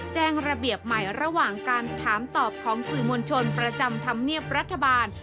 ระเบียบใหม่ระหว่างการถามตอบของสื่อมวลชนประจำธรรมเนียบรัฐบาล